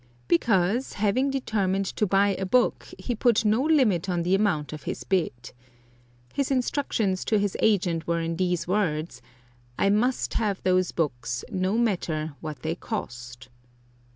Because, having determined to buy a book, he put no limit to the amount of his bid. His instructions to his agent were in these words: "I must have those books, no matter what they cost."